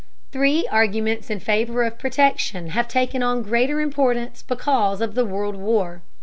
Three arguments in favor of protection have taken on greater importance because of the World War.